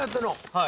はい。